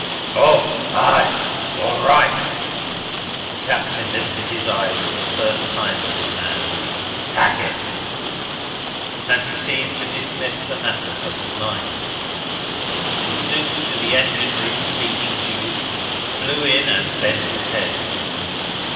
"Oh! aye! All right. ..." The Captain lifted his eyes for the first time to the man, "... Hackett." And he seemed to dismiss this matter from his mind. He stooped to the engine room speaking tube, blew in, and bent his head.